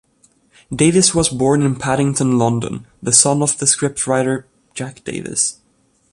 Davies was born in Paddington, London, the son of the scriptwriter Jack Davies.